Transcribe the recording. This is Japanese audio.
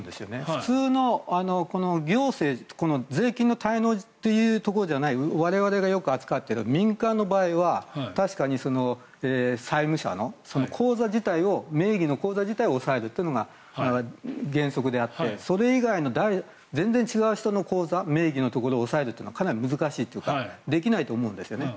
普通の行政税金の滞納というところじゃない我々がよく扱っている民間の場合は、確かに債務者の口座自体を、名義の口座自体を押さえるというのが原則であって、それ以外の全然違う人の口座の名義のところを押さえるというのはかなり難しいというかできないと思うんですよね。